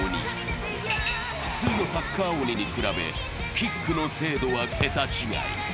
普通のサッカー鬼に比べ、キックの精度は桁違い。